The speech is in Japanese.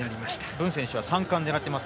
文選手は３冠を狙っています。